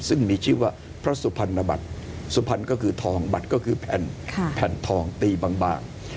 ซึ่งมีชื่อว่าพระสุพรรณบัตรสุพรรณก็คือทองบัตรก็คือแผ่นแผ่นทองตีบาง